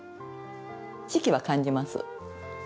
四季は感じます。